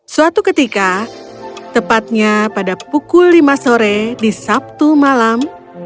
suatu ketika tepatnya pada pukul lima sore di sabtu malam